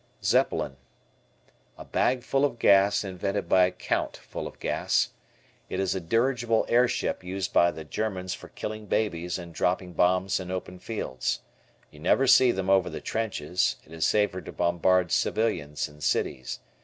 Z "Zeppelin" A bag full of gas invented by a count full of gas. It is a dirigible airship used by the Germans for killing babies and dropping bombs in open fields. You never see them over the trenches, it is safer to bombard civilians in cities.